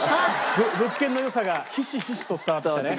物件の良さがひしひしと伝わってきたね。